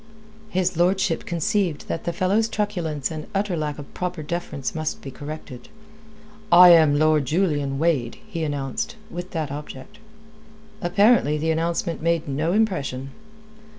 His lordship conceived that the fellow's truculence and utter lack of proper deference must be corrected. "I am Lord Julian Wade," he announced, with that object. Apparently the announcement made no impression.